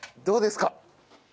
どうですか？